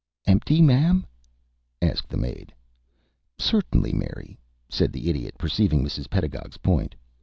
"Empty, ma'am?" asked the maid. "Certainly, Mary," said the Idiot, perceiving Mrs. Pedagog's point.